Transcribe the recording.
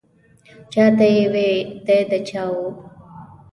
چا ته یې وې دی د چا و.